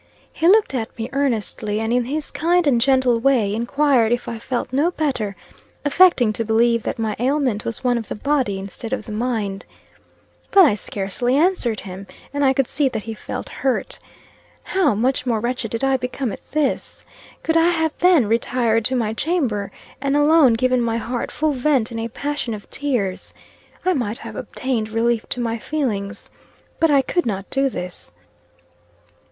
He looked at me earnestly, and in his kind and gentle way, enquired if I felt no better, affecting to believe that my ailment was one of the body instead of the mind. But I scarcely answered him, and I could see that he felt hurt. How, much more wretched did I become at this? Could I have then retired to my chamber, and alone given my heart full vent in a passion of tears, I might have obtained relief to my feelings. But I could not do this.